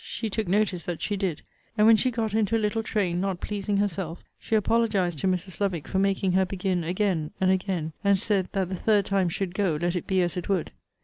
She took notice that she did. And when she got into a little train, not pleasing herself, she apologized to Mrs. Lovick for making her begin again and again; and said, that the third time should go, let it be as it would.